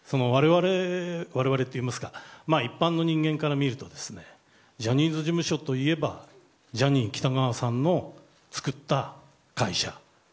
我々といいますか一般の人間から見るとジャニーズ事務所といえばジャニー喜多川さんの作った会社。